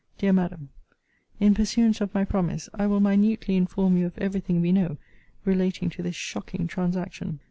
DEAR MADAM, In pursuance of my promise, I will minutely inform you of every thing we know relating to this shocking transaction.